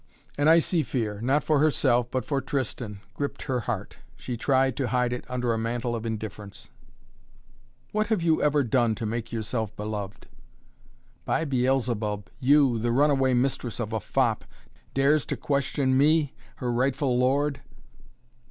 An icy fear, not for herself, but for Tristan, gripped her heart. She tried to hide it under a mantle of indifference. "What have you ever done to make yourself beloved?" "By Beelzebub you the runaway mistress of a fop dares to question me her rightful lord?"